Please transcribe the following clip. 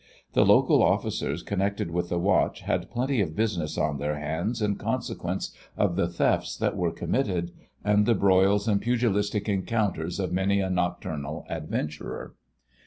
The local officers connected with the watch had plenty of business on their hands in consequence of the thefts that were committed, and the broils and pugilistic encounters of many a nocturnal adventurer.